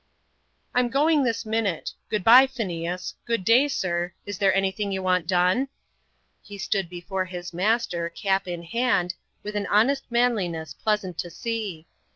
"I'm going this minute. Good bye, Phineas. Good day, sir. Is there anything you want done?" He stood before his master, cap in hand, with an honest manliness pleasant to see.